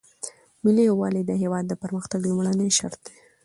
ملي یووالی د هیواد د پرمختګ لومړنی شرط دی.